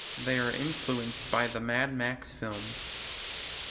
They are influenced by the "Mad Max" films.